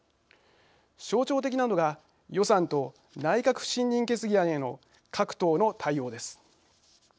象徴的なのが予算と内閣不信任決議案への各党の対応です。